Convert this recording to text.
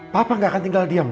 papa gak akan tinggal diam no